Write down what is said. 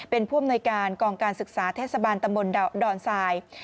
เป็นผู้อำนวยการกองการศึกษาเทศบาลตำบลดอนทราย